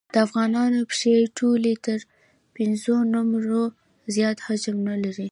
د افغانانو پښې ټولې تر پېنځو نمبرو زیات حجم نه لري.